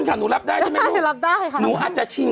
หาซองชั่ง